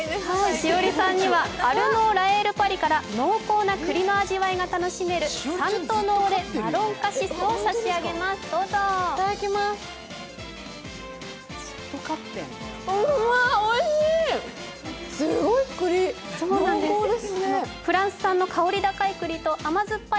栞里さんには、アルノー・ラエール・パリから濃厚な栗な味わいが楽しめるサントレーノ・マロンカシスをお召し上がりください。